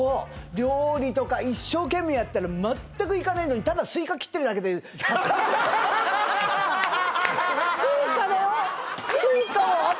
料理とか一生懸命やったら全くいかねえのにただスイカ切ってるだけでスイカだよ！